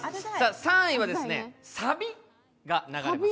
３位はサビが流れます。